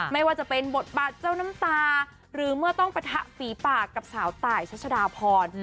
ไม่ว่าจะเป็นบทบาทเจ้าน้ำตาหรือเมื่อต้องปะทะฝีปากกับสาวตายชัชดาพร